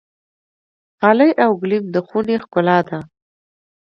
قالي او ګلیم د خونې ښکلا ده.